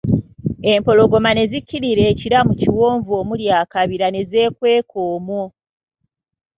Empologoma ne zikkirira e Kira mu kiwonvu omuli akabira ne zeekweka omwo.